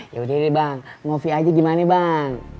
yaudah deh bang ngopi aja gimana bang